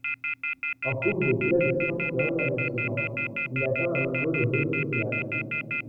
En Coupe des clubs champions l'année suivante, il atteint à nouveau les demi-finales.